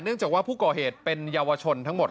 เนื่องจากผู้ก่อเหตุเป็นเยาวชนทั้งหมด